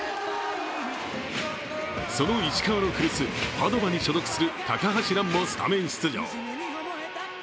その石川の古巣・パドヴァに所属する高橋藍もスタメン出場。